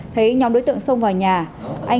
thấy nhóm đối tượng xông vào nhà